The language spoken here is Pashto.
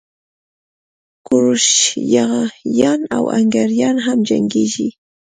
کروشیایان او هنګریایان هم جنګېږي.